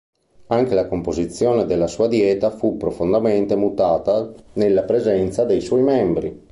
Anche la composizione della sua Dieta fu profondamente mutata nella presenza dei suoi membri.